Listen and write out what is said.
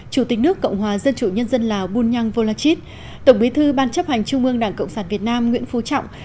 chủ tịch nước cộng hòa dân chủ nhân dân lào bunyang volachit tổng bí thư ban chấp hành trung ương đảng cộng sản việt nam nguyễn phú trọng